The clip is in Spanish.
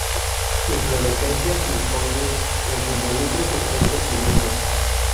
Inflorescencias discoides, los involucros estrechos cilindros.